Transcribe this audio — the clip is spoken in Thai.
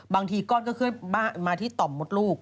บางทีก้อนก็เกิดมาที่ต่อมมดลูก